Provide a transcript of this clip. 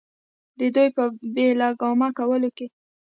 د دوي پۀ بې لګامه کولو کښې